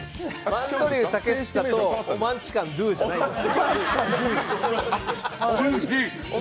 マンドリル竹下とおマンチカンドゥじゃないんです。